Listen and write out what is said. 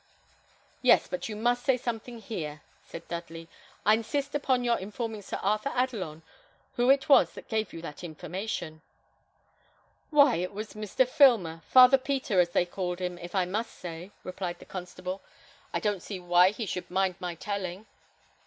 "Yes; but you must say something here," said Dudley. "I insist upon your informing Sir Arthur Adelon, who it was that gave you that information." "Why, it was Mr. Filmer; Father Peter, as they call him, if I must say," replied the constable. "I don't see why he should mind my telling."